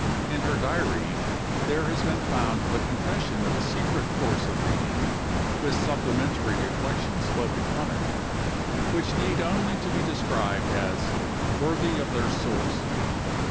In her diary, there has been found the confession of a secret course of reading with supplementary reflections flowing from it, which need only to be described as worthy of their source.